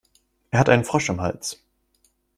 Er hat einen Frosch im Hals.